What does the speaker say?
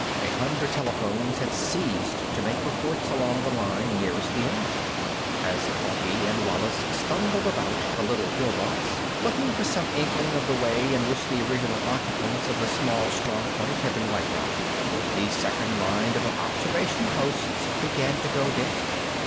A hundred telephones had ceased to make reports along the line nearest the enemy. As Coffee and Wallis stumbled about the little pill box, looking for some inkling of the way in which the original occupants of the small strong point had been wiped out, the second line of observation posts began to go dead.